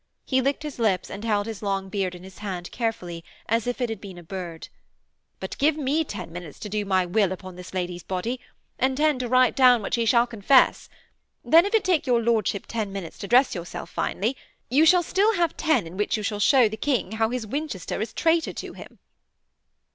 He licked his lips and held his long beard in his hand carefully, as if it had been a bird. 'But give me ten minutes to do my will upon this lady's body, and ten to write down what she shall confess. Then, if it take your lordship ten minutes to dress yourself finely, you shall have still ten in which you shall show the King how his Winchester is traitor to him.'